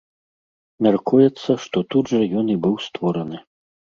Мяркуецца, што тут жа ён і быў створаны.